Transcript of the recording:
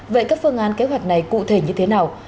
vậy các phương án kế hoạch này cụ thể như thế nào